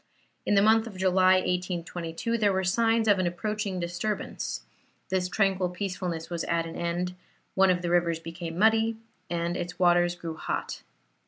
In the month of July, 1822, there were signs of an approaching disturbance; this tranquil peacefulness was at an end; one of the rivers became muddy, and its waters grew hot.